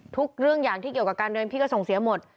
ทุกอย่างที่เกี่ยวกับการเดินพี่ก็ส่งเสียหมด